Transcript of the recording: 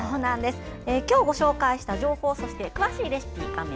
今日、ご紹介した情報そして詳しいレシピも画面